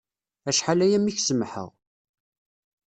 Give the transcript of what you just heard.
Acḥal-aya mi k-semḥeɣ.